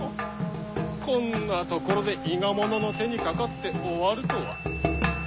こんな所で伊賀者の手にかかって終わるとは。